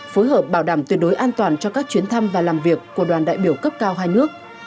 phối hợp bảo đảm tuyệt đối an toàn cho các chuyến thăm và làm việc của đoàn đại biểu cấp cao hai nước